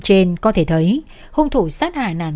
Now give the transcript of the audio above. trên có thể thấy hung thủ sát hại nạn